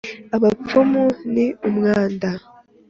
abapfumu ni umwanda